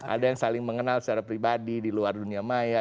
ada yang saling mengenal secara pribadi di luar dunia maya